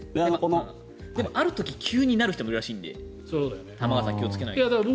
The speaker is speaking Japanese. ある時、急になる人もいるらしいので玉川さんも気をつけないと。